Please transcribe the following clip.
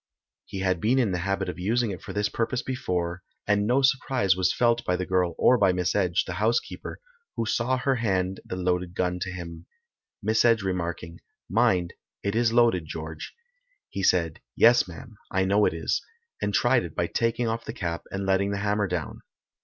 He had been in the habit of using it for this purpose before, and no surprise was felt by the girl or by Miss Edge, the housekeeper, who saw her hand the loaded gun to him, Miss Edge remarking, "Mind, it is loaded, George." He said, "Yes, ma'am, I know it is," and tried it by taking off the cap and letting the hammer down.